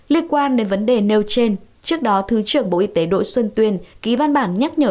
liên quan đến vấn đề nêu trên trước đó thứ trưởng bộ y tế đỗ xuân tuyên ký văn bản nhắc nhở